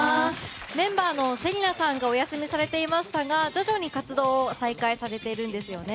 メンバーの芹奈さんがお休みされていましたが徐々に活動を再開されているんですよね。